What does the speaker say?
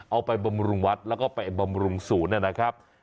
บำรุงวัดแล้วก็ไปบำรุงศูนย์นะครับ